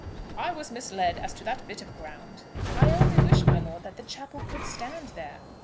"I was misled as to that bit of ground." "I only wish, my lord, that the chapel could stand there."